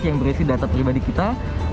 yang berisi data penerbangan